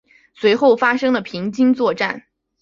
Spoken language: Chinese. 随后发生了平津作战。